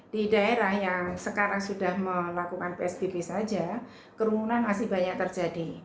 di daerah yang sekarang sudah melakukan psbb saja kerumunan masih banyak terjadi